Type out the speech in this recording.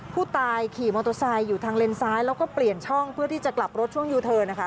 ผู้ตายขี่มอเตอร์ไซค์อยู่ทางเลนซ้ายแล้วก็เปลี่ยนช่องเพื่อที่จะกลับรถช่วงยูเทิร์นนะคะ